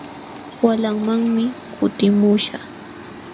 Walamanmi kutimuśhaq.